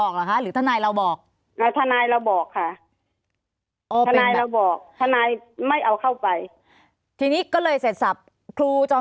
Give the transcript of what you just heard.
เขาบอกว่าสามีกับลูก